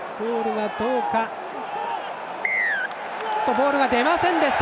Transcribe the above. ボールが出ませんでした！